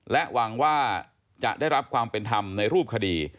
และหวังว่าจะได้รับความเป็นธรรมในรูปคดี